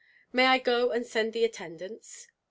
"May I go and send the attendants?"